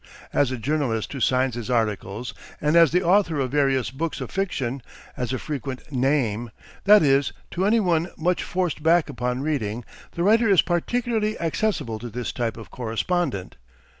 As a journalist who signs his articles and as the author of various books of fiction, as a frequent NAME, that is, to any one much forced back upon reading, the writer is particularly accessible to this type of correspondent.